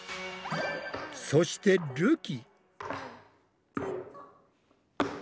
そしてるき。